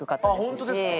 あっ本当ですか！